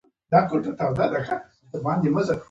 جون له ماشومتوبه د تورو ټکو په نشه روږدی و